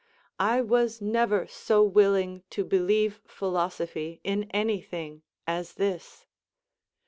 I was never so willing to believe philosophy in any thing as this.